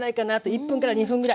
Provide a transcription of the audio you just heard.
１分２分ぐらい。